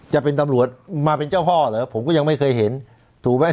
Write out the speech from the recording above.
จะเป็นตำรวจมาเป็นเจ้าพ่อเหรอผมก็ยังไม่เคยเห็นถูกไหม